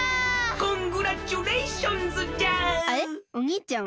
コングラッチュレーションズじゃあ！